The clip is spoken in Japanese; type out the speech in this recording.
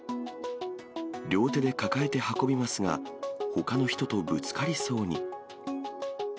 両手で抱えて運びますが、ほかの人とぶつかりそうに。